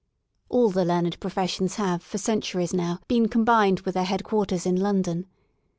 All the learned professions have for centuries now been combined with their headquarters in London.